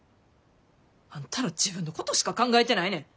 あんたら自分のことしか考えてないねん。